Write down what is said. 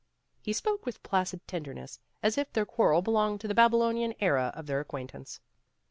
He spoke with placid tenderness, as if their quarrel belonged to the Babylonian era of their acquaintance.